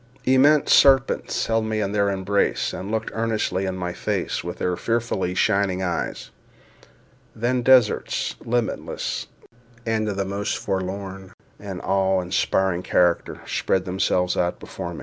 Immense serpents held me in their embrace, and looked earnestly in my face with their fearfully shining eyes. Then deserts, limitless, and of the most forlorn and awe inspiring character, spread themselves out before me.